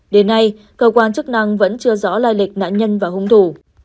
đến nay cơ quan chức năng vẫn chưa rõ lai lịch nạn nhân và hung thủ